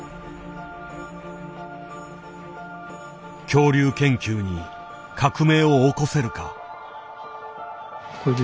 恐竜研究に革命を起こせるか。